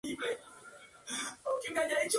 Se celebraron tres grandes congresos europeos.